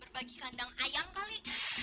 berbagi kandang ayam kali